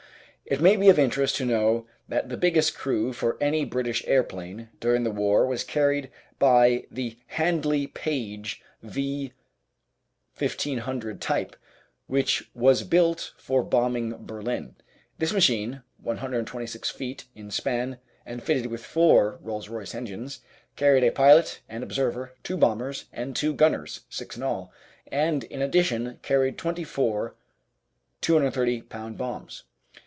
It may be of interest to know that the biggest crew for any British aeroplane during the war was carried by the Handley Page V 1500 type, which was built for bombing Berlin. This machine, 126 feet in span and fitted with four Rolls Royce engines, carried a pilot and observer, two bombers, and two gun ners, six in all, and in addition carried twenty four 230 Ib. bombs.